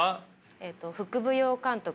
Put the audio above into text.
えっと副舞踊監督。